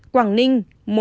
quảng ninh một